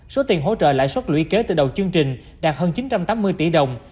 số tiền hỗ trợ lãi suất lũy kế từ đầu chương trình đạt hơn chín trăm tám mươi tỷ đồng